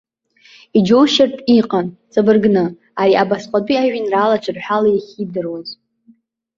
Иџьоушьартә иҟан, ҵабыргны, ари абасҟатәи ажәеинраала ҿырҳәала иахьидыруаз.